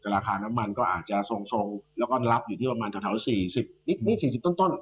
ราคาน้ำมันก็อาจจะทรงแล้วก็รับอยู่ที่ประมาณแถว๔๐นี่๔๐ต้น